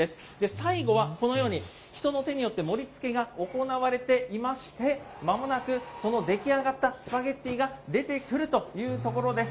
最後はこのように人の手によって盛りつけが行われていまして、まもなくその出来上がったスパゲッティが出てくるというところです。